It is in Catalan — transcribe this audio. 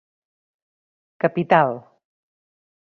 Capital